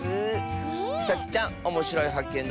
さちちゃんおもしろいはっけん